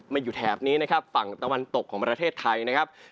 อยู่แถบนี้นะครับฝั่งตะวันตกของประเทศไทยนะครับ